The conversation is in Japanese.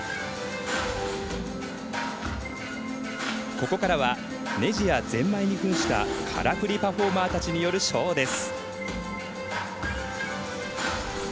ここからはねじや、ぜんまいにふんしたからくりパフォーマーたちによるショーです。